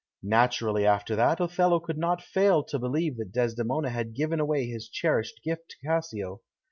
Naturally, after that, Othello could not fail to believe that Desdemona had given away his cherished gift to Cassio.